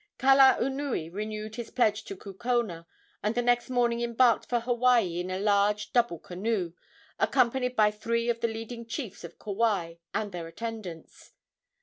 Kalaunui renewed his pledge to Kukona, and the next morning embarked for Hawaii in a large double canoe, accompanied by three of the leading chiefs of Kauai and their attendants.